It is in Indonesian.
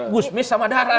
gusmi samadara gitu